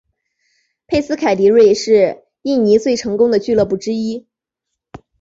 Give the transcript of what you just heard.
佩斯凯迪瑞是印尼最成功的俱乐部之一。